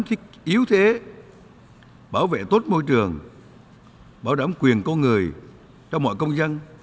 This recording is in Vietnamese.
cảm thức yếu thế bảo vệ tốt môi trường bảo đảm quyền con người trong mọi công dân